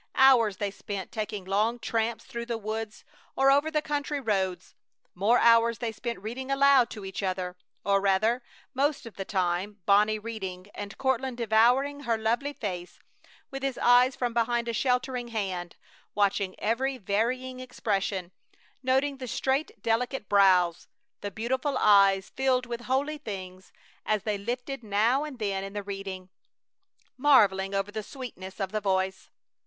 Hours they spent taking long tramps through the woods or over the country roads; more hours they spent reading aloud to each other, or rather, most of the time Bonnie reading and Courtland devouring her lovely face with his eyes from behind a sheltering hand, watching every varying expression, noting the straight, delicate brows, the beautiful eyes filled with holy things as they lifted now and then in the reading; marveling over the sweetness of the voice.